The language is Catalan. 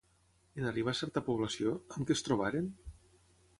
En arribar a certa població, amb què es trobaren?